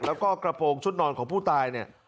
แล้วก็กระโปรงชุดนอนของผู้ตายเนี่ย